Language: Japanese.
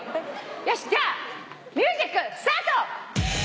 よしじゃあミュージックスタート！